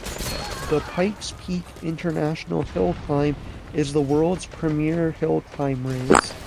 The Pikes Peak International Hill Climb is the world's premier hillclimb race.